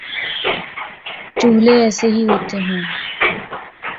چولہے ایسے ہی ہوتے ہوں